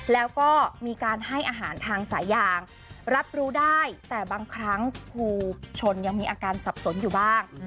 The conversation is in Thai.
แล้วก็มีการให้อาหารทางสายางรับรู้ได้แต่บางครั้งครูชนยังมีอาการสับสนอยู่บ้าง